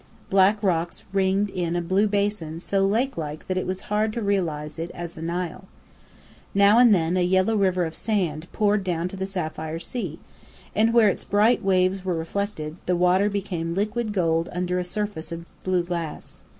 Black rocks ringed in a blue basin so lake like that it was hard to realize it as the Nile. Now and then a yellow river of sand poured down to the sapphire sea, and where its bright waves were reflected, the water became liquid gold under a surface of blue glass.